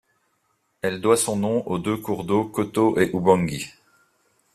Elle doit son nom aux deux cours d’eau Kotto et Oubangui.